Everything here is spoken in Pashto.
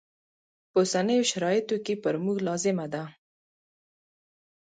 په اوسنیو شرایطو کې پر موږ لازمه ده.